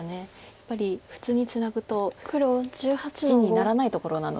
やっぱり普通にツナぐと地にならないところなので。